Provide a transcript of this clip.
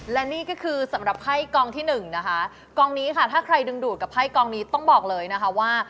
และนี่ก็คือสำหรับไพ่กองที่หนึ่งนะคะกองนี้ค่ะถ้าใครดึงดูดกับไพ่กองนี้ต้องบอกเลยนะคะว่า